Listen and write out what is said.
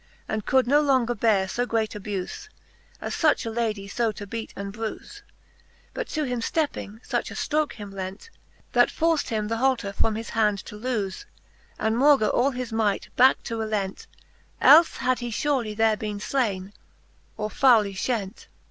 And could no lenger beare fo great abufe, As fuch a Lady fo to beate and brufe ; But to him ftepping, fuch a ftroke him lent, That forft him th' halter from his hand to loofe, And maugre all his might, backe to relent : Elfe had he furely there bene flaine, or fowly flient.